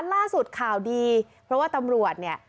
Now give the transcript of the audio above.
ล่าสุดข่าวดีเพราะว่าตำรวจเนี่ย